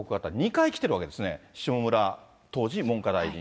２回来てるわけですね、下村、当時文科大臣。